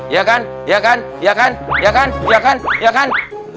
ya kan ya kan ya kan ya kan ya kan ya kan